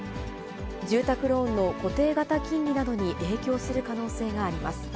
住宅ローンの固定型金利などに影響する可能性があります。